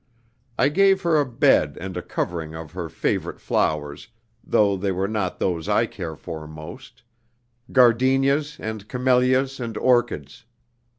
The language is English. I gave her a bed and a covering of her favorite flowers, though they were not those I care for most: gardenias and camellias and orchids.